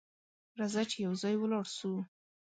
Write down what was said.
راځه چې یو ځای ولاړ سو!